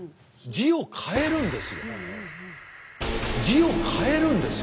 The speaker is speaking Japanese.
字を変えるんですよ。